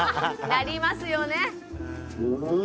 なりますよね。